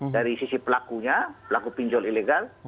dari sisi pelakunya pelaku pinjol ilegal